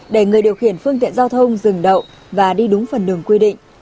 để người điều khiển phương tiện giao thông dừng đậu và đi đúng phần đường quy định